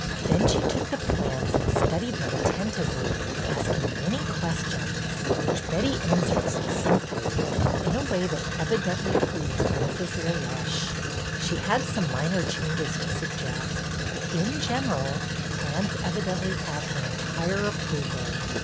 Then she took the plans and studied them attentively, asking many 230 BETTY BAIRD'S GOLDEN YEAR questions, which Betty answered succinctly and in a way that evidently pleased Mrs. LeLeche. She had some minor changes to suggest, but in general the plans evidently had her entire approval.